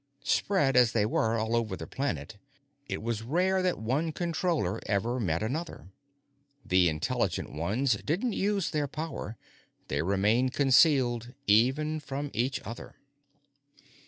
Spread, as they were, all over the planet, it was rare that one Controller ever met another. The intelligent ones didn't use their power; they remained concealed, even from each other.